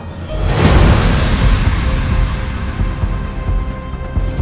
mas yudi mana sih